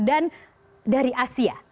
dan dari asia